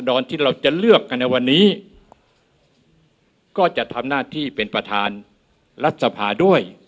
อนที่เราจะเลือกกันในวันนี้ก็จะทำหน้าที่เป็นประธานรัฐสภาด้วย